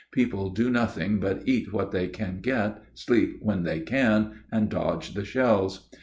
People do nothing but eat what they can get, sleep when they can, and dodge the shells.